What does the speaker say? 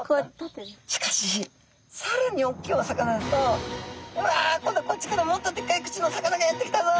しかしさらに大きいお魚だと「うわ今度こっちからもっとでっかい口のお魚がやって来たぞ」